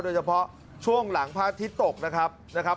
โดยเฉพาะช่วงหลังพระอาทิตย์ตกนะครับนะครับ